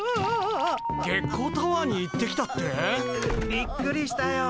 びっくりしたよ。